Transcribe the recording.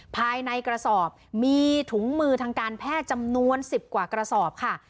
ภายในกระสอบมีถุงมือทางการแพทย์จำนวน๑๐กว่ากระสอบค่ะ